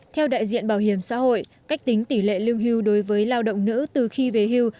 theo đại diện bảo hiểm xã hội cách tính tỷ lệ lương hưu đối với lao động nữ từ khi về hưu